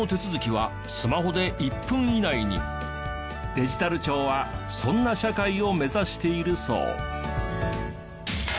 デジタル庁はそんな社会を目指しているそう。